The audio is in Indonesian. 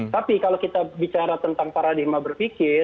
tapi kalau kita bicara tentang paradigma berpikir